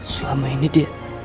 selama ini dia